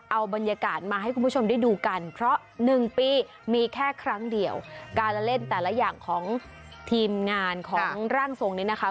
เอาบรรยากาศมาให้คุณผู้ชมได้ดูกันเพราะหนึ่งปีมีแค่ครั้งเดียวการเล่นแต่ละอย่างของทีมงานของร่างทรงนี้นะคะ